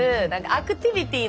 アクティビティー。